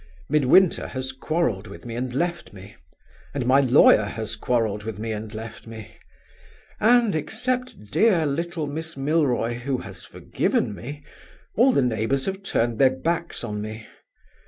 Midwinter has quarreled with me and left me; and my lawyer has quarreled with me and left me; and (except dear little Miss Milroy, who has forgiven me) all the neighbors have turned their backs on me.